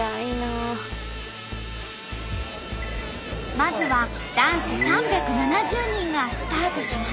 まずは男子３７０人がスタートします。